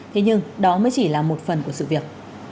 thế nhưng đó mới chỉ là một phần của sự việc